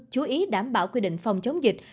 chú ý đảm bảo quy định phòng chống dịch